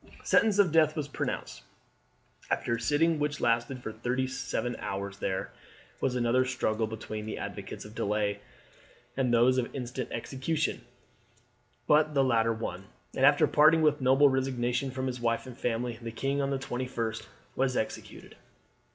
Sentence of death was pronounced. After a sitting which lasted for thirty seven hours there was another struggle between the advocates of delay and those of instant execution, but the latter won; and after parting with noble resignation from his wife and family, the king, on the 21st, was executed.